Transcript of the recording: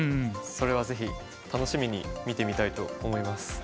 それはぜひ楽しみに見てみたいと思います。